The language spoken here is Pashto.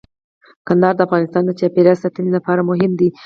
کندهار د افغانستان د چاپیریال ساتنې لپاره مهم دي.